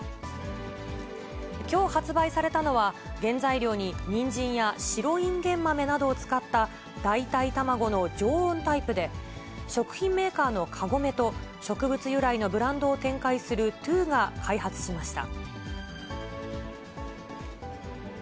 きょう発売されたのは、原材料ににんじんや白いんげん豆などを使った、代替卵の常温タイプで、食品メーカーのカゴメと、植物由来のブランドを展開するＴＷＯが開発しました。